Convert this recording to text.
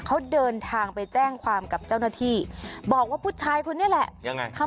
เขาเดินทางไปแจ้งความกับเจ้าหน้าที่บอกว่าผู้ชายคนนี้แหละยังไงทำ